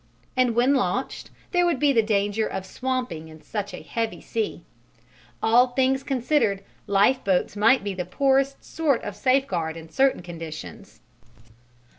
And when launched, there would be the danger of swamping in such a heavy sea. All things considered, lifeboats might be the poorest sort of safeguard in certain conditions.